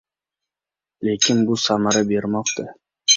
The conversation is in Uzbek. Lekin bu samara bermoqda.